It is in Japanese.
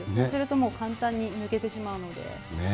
するともう、簡単に抜けてしまうので。